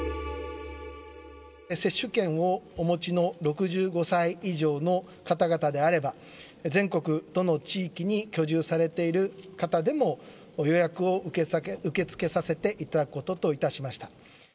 接種券をお持ちの６５歳以上の方々であれば、全国どの地域に居住されている方でも、予約を受け付けさせていただくことといたしました。